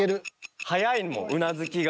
早いもんうなずきが。